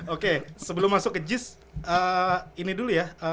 oke sebelum masuk ke jis ini dulu ya